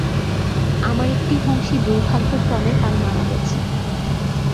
আমার একটি হংসী দুর্ভাগ্যক্রমে কাল মারা গেছে।